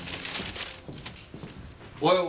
おはよう！